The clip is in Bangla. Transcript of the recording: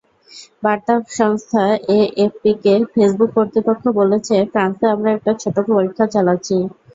বার্তা সংস্থা এএফপিকে ফেসবুক কর্তৃপক্ষ বলেছে, ফ্রান্সে আমরা একটি ছোট পরীক্ষা চালাচ্ছি।